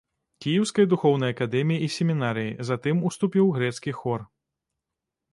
Кіеўскай духоўнай акадэміі і семінарыі, затым уступіў грэцкі хор.